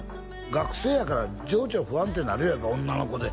「学生やから情緒不安定になるやろ女の子で」